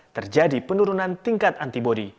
terjadi penurunan tingkat antibodi